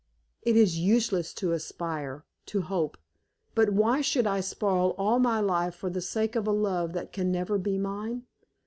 It is useless to aspire, to hope. But why should I spoil all my life for the sake of a love that can never be mine?